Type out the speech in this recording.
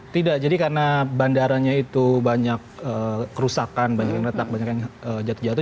tidak jadi karena bandaranya itu banyak kerusakan banyak yang retak banyak yang jatuh jatuh